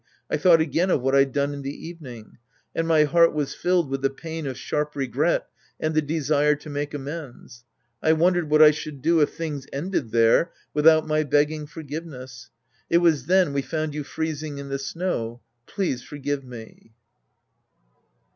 I thought again of what I'd done in the evening. And my heart was filled with the pain of sharp regret and the desire to make amends. I wondered what I should do if things^ended there without my begging forgive ness. It was then we found you freezing in the snow. Please forgive me.